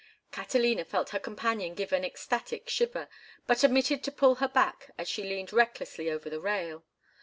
Catalina felt her companion give an ecstatic shiver, but omitted to pull her back as she leaned recklessly over the rail.